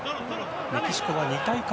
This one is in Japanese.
メキシコは２大会